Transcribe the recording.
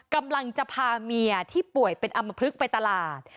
กำลังจะพาเมียที่ป่วยเป็นอำมพลึกไปตลาด